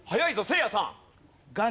せいやさん。